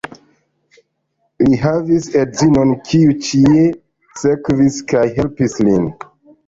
Li havis edzinon, kiu ĉie sekvis kaj helpis lin.